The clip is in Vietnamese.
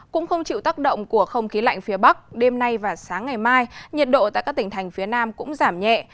cũng không chịu tác động của không khí lạnh phía bắc đêm nay và sáng ngày mai nhiệt độ tại các tỉnh thành phía nam cũng giảm nhẹ